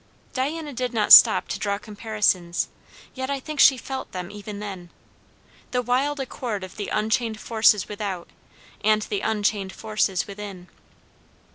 Diana did not stop to draw comparisons, yet I think she felt them even then; the wild accord of the unchained forces without and the unchained forces within.